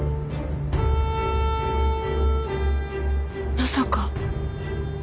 まさか。